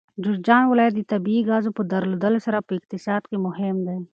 جوزجان ولایت د طبیعي ګازو په درلودلو سره په اقتصاد کې مهم دی.